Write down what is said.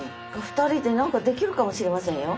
２人で何かできるかもしれませんよ。